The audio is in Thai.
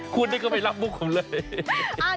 คุณนี่ก็ไม่รับมุกผมเลย